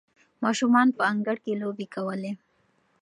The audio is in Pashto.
ماشومان په انګړ کې لوبې کولې.